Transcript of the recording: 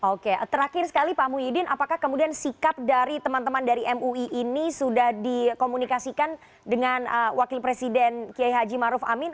oke terakhir sekali pak muhyiddin apakah kemudian sikap dari teman teman dari mui ini sudah dikomunikasikan dengan wakil presiden kiai haji maruf amin